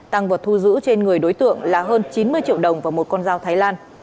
tăng vật thu giữ trên người đối tượng là hơn chín mươi triệu đồng và một con dao thái lan